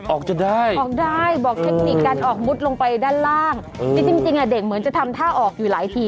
ออกจะได้ออกได้บอกเทคนิคการออกมุดลงไปด้านล่างที่จริงอ่ะเด็กเหมือนจะทำท่าออกอยู่หลายที